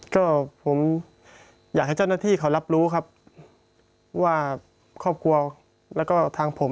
ก็ผมอยากให้เจ้าหน้าที่เขารับรู้ครับว่าครอบครัวแล้วก็ทางผม